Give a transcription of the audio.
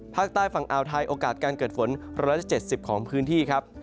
ภาคใต้ฝั่งอาวไทยโอกาสการเกิดฝน๑๗๐ของพื้นที่ครับ